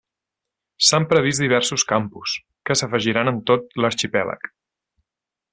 S'han previst diversos campus, que s'afegiran en tot l'arxipèlag.